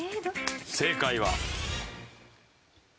正解は。